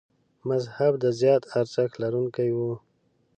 مذهب د زیات ارزښت لرونکي و.